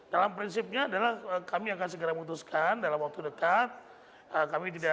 dalam prinsipnya adalah kami akan segera memutuskan dalam waktu dekat